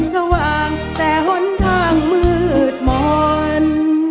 สว่างแต่ห้นทางมืดหม่อน